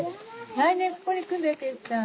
来年ここに来んだよ佳ちゃん。